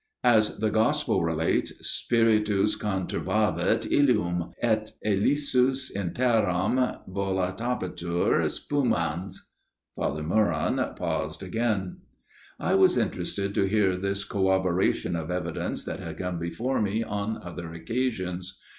| As the Gospel relates, * Spiritus conturbavit \ ilium : et elisus in tenant, volutabatur spumans.' " 4 Father Meuron paused again. I was interested to hear this corroboration of evidence that had come before me on other occasions.